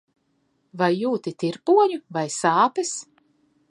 Vai jūti tirpoņu vai sāpes?